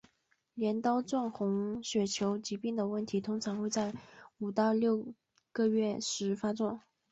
镰刀状红血球疾病的问题通常会在五到六个月龄时发作。